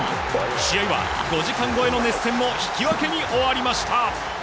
試合は５時間超えの熱戦も引き分けに終わりました。